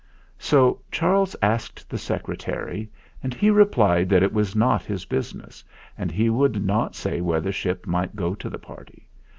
So Charles asked the Secretary, and he re plied that it was not his business, and he would not say whether Ship might go to the party.